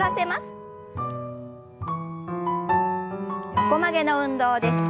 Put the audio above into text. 横曲げの運動です。